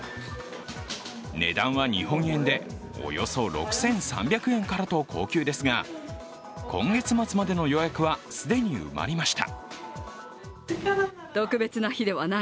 値段は日本円でおよそ６３００円からと高級ですが今月末までの予約は既に埋まりました。